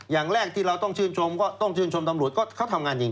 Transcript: อย่างแรกที่เราต้องชื่นชมก็ต้องชื่นชมตำรวจก็เขาทำงานจริง